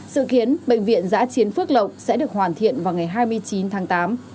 sự khiến bệnh viện giã chiến quốc lộc sẽ được hoàn thiện vào ngày hai mươi chín tháng tám